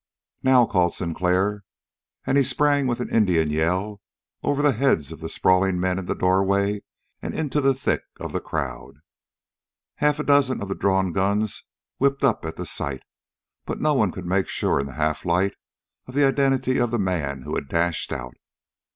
"Now!" called Sinclair, and he sprang with an Indian yell over the heads of the sprawling men in the doorway and into the thick of the crowd. Half a dozen of the drawn guns whipped up at the sight, but no one could make sure in the half light of the identity of the man who had dashed out.